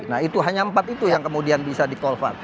nah itu hanya empat itu yang kemudian bisa di colvard